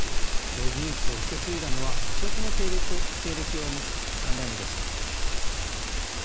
技術を受け継いだのは異色の経歴を持つ３代目でした。